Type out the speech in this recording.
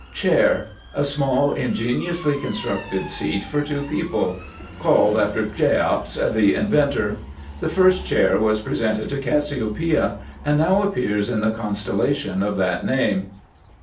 CHAIR. A small ingeniously constructed seat for two people. Called after Cheops, the inventor. The first chair was presented to Cassiopeia and now appears in the constellation of that name.